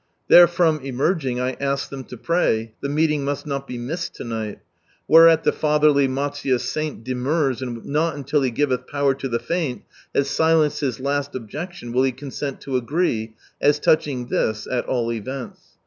Therefrom emerging I ask them lo pray — the meeting must not be missed to night ! Whereat the fatherly Matsuye saint demurs, and not until " He givelh power fa the faint" has silenced his last objection will he con sent to "agree," as touching this, at all events.